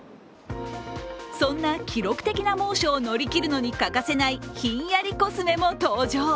そんな記録的な猛暑を乗り切るのに欠かせないひんやりコスメも登場。